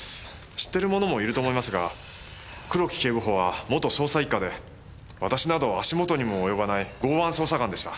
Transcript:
知ってる者もいると思いますが黒木警部補は元捜査一課で私など足元にも及ばない豪腕捜査官でした。